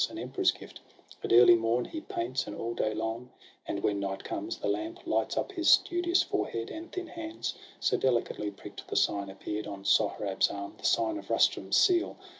An emperor's gift — at early morn he paints, And all day long, and, when night comes, the lamp Lights up his studious forehead and thin hands — So delicately prick'd the sign appear'd On Sohrab's arm, the sign of Rustum's seal.